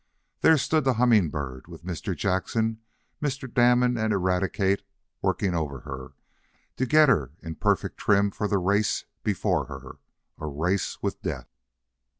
There stood the Humming Bird, with Mr. Jackson, Mr. Damon and Eradicate working over her, to get her in perfect trim for the race before her a race with death.